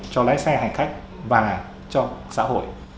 cho lái xe hành khách và cho xã hội